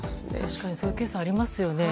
確かにそういうケースありますよね。